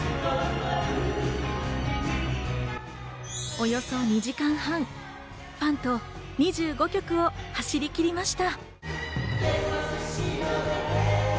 およそ２時間半、ファンと２５曲を走りきりました。